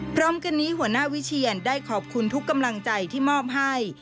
พร้อมกันนี้หัวหน้าวิเชียนได้ขอบคุณทุกกำลังใจที่มอบให้